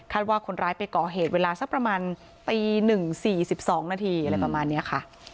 คาดว่าคนร้ายไปก่อเหตุเวลาสักประมาณตีหนึ่งสี่สิบสองนาทีอะไรประมาณเนี้ยค่ะ